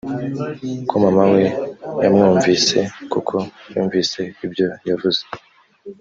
ko mama we yamwumvise kuko yumvise ibyo yavuze.